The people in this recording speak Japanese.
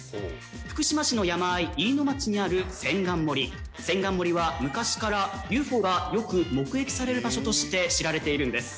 福島市の山あい飯野町にある千貫森千貫森は昔からＵＦＯがよく目撃される場所として知られているんです